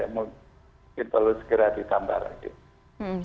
mungkin perlu segera ditambah lagi